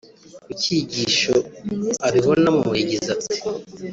Ku cyigisho abibonamo yagize ati